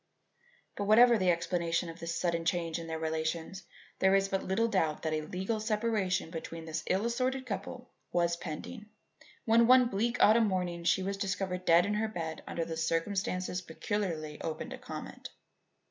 But whatever the explanation of this sudden change in their relations, there is but little doubt that a legal separation between this ill assorted couple was pending, when one bleak autumn morning she was discovered dead in her bed under circumstances peculiarly open to comment.